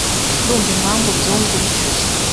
Ndumva impamvu ubyumva utyo.